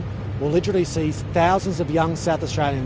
akan melihat ribuan orang south australian